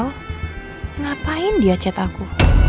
oh ngapain dia chat aku